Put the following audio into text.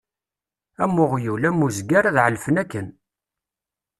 Am uɣyul, am uzger, ad ɛelfen akken.